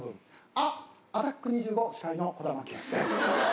「あ」「アタック２５」司会の児玉清です。